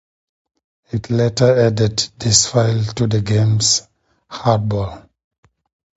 It later added this file to the games HardBall!